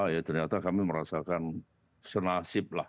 ya ternyata kami merasakan senasib lah